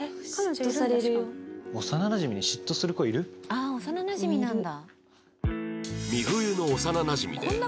ああ幼なじみなんだ。